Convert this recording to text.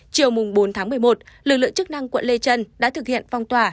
chiều bốn một mươi một lực lượng chức năng quận lê trân đã thực hiện phong tỏa